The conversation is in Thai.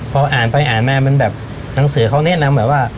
พออ่านไปอ่านมาหนังสือเขาแนะนำว่า